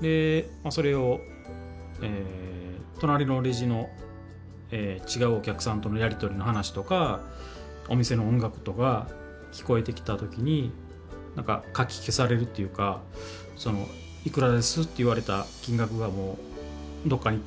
でそれを隣のレジの違うお客さんとのやり取りの話とかお店の音楽とか聞こえてきた時にかき消されるっていうか「いくらです」って言われた金額がもうどっかに行ってしまうっていうか。